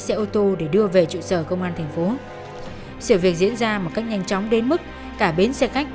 xe ô tô để đưa về trụ sở công an thành phố sự việc diễn ra một cách nhanh chóng đến mức cả bến xe khách